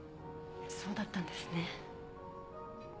そうだったんですね。